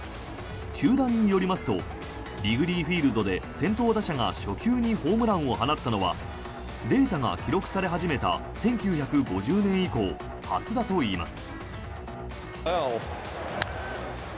球団によりますとリグリー・フィールドで先頭打者が初球にホームランを放ったのはデータが記録され始めた１９５０年以降初だといいます。